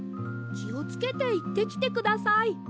きをつけていってきてください。